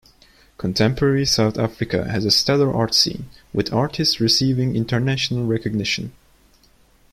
Contemporary South Africa has a stellar art scene, with artists receiving international recognition.